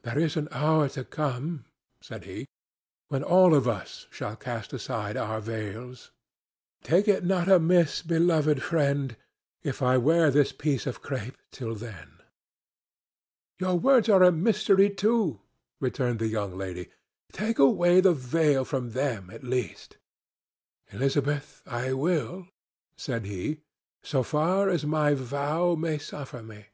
"There is an hour to come," said he, "when all of us shall cast aside our veils. Take it not amiss, beloved friend, if I wear this piece of crape till then." "Your words are a mystery too," returned the young lady. "Take away the veil from them, at least." "Elizabeth, I will," said he, "so far as my vow may suffer me.